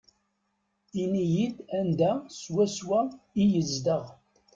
Ini-yi-d anda swaswa i yezdeɣ.